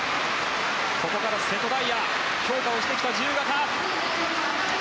ここから瀬戸大也が強化をしてきた自由形！